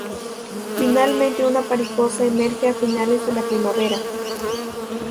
Finalmente una mariposa emerge a finales de la primavera.